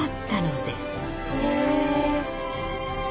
へえ。